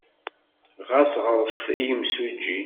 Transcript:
Ɣas ɣret-d i yemsujji.